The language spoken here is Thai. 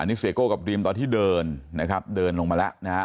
นี่เสียโก้กับดรีมตอนที่เดินนะครับเดินลงมาแล้วนะฮะ